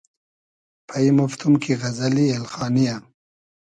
پݷمۉفتوم کی غئزئلی اېلخانی یۂ